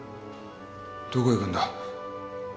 どこ行くんだ？